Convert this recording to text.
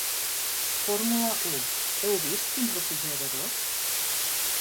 Fórmula I. Heu vist quins refrigeradors?